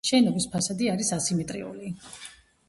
შენობის ფასადი არის ასიმეტრიული.